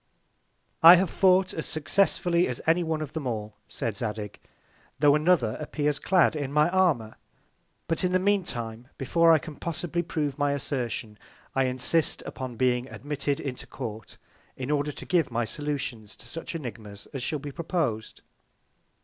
I have fought as successfully as any one of them all, said Zadig, tho' another appears clad in my Armour; but in the mean Time, before I can possibly prove my Assertion, I insist upon being admitted into Court, in order to give my Solutions to such Ænigmas as shall be propos'd.